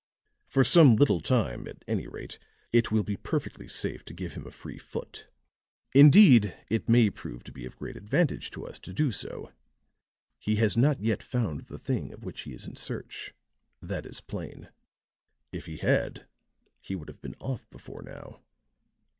For some little time, at any rate, it will be perfectly safe to give him a free foot; indeed, it may prove to be of great advantage to us to do so. He has not yet found the thing of which he is in search. That is plain. If he had, he would have been off before now.